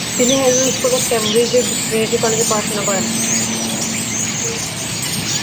তিনি Harrow school ও কেমব্রিজের ট্রিনিটি কলেজে পড়াশুনা করেন।